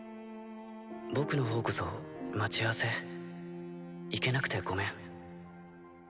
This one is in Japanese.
僕の方こそ待ち合わせ行けなくてごめん。